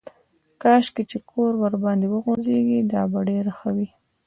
کاشکې چې کور ورباندې وغورځېږي دا به ډېره ښه وي.